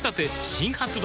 新発売